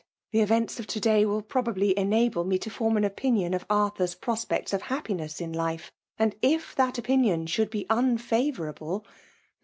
The events of to*daj i^ probably enable me to form an opinion of Arthur's prospects of happiness in life ; fltad, if that opinion should be unfavourable